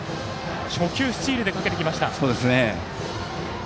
初球、スチールでかけてきました。